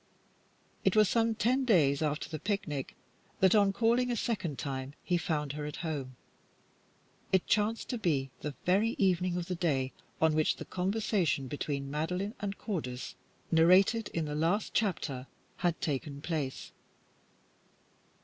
It was some ten days after the picnic that, on calling a second time, he found her at home. It chanced to be the very evening of the day on which the conversation between Madeline and Cordis, narrated in the last chapter, had taken place.